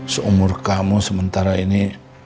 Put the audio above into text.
seumur kamu sementara ini